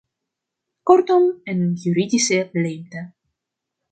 Kortom, een juridische leemte.